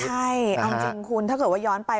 ใช่เอาจริงคุณถ้าเกิดว่าย้อนไป